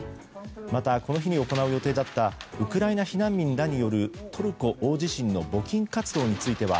また、この日に行う予定だったウクライナ避難民らによるトルコ大地震の募金活動については